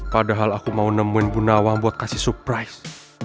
padahal aku mau nemuin bu nawang buat kasih surprise